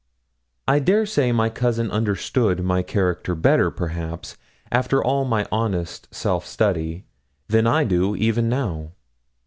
I dare say my cousin understood my character better, perhaps, after all my honest self study, then I do even now.